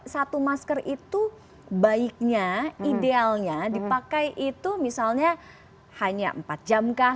satu masker itu baiknya idealnya dipakai itu misalnya hanya empat jam kah